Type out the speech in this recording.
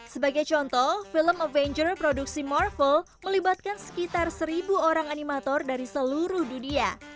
sebagai contoh film avenger produksi marvel melibatkan sekitar seribu orang animator dari seluruh dunia